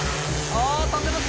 あ飛んでます